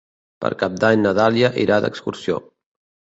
Per Cap d'Any na Dàlia irà d'excursió.